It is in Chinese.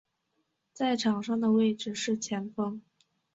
在场上的位置是前锋。